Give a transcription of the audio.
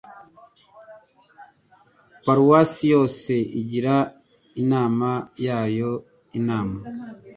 paruwase yose igira inama yayo inama